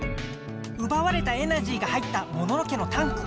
うばわれたエナジーが入ったモノノ家のタンク！